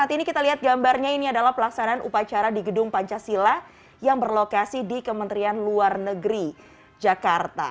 ini adalah pelaksanaan upacara di gedung pancasila yang berlokasi di kementerian luar negeri jakarta